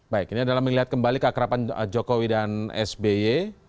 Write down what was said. baik ini adalah melihat kembali ke akrapan jokowi dan sbi